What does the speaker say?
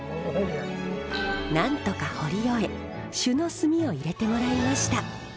なんとか彫り終え朱の墨を入れてもらいました。